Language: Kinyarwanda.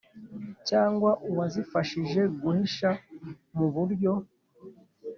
cyangwa uwazifashije guhisha mu buryo